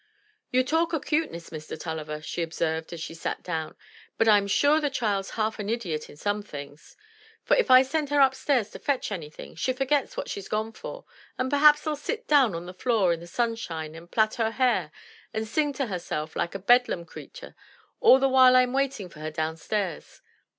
"You talk o' cuteness, Mr. Tulliver," she observed as she sat down, "but I'm sure the child's half an idiot i' some things; for if I send her upstairs to fetch anything, she forgets what she's gone for, an' perhaps 'uU sit down on the floor i' the sunshine an' plait her hair an' sing to herself like a bedlam creatur' all the while I'm waiting for her down stairs.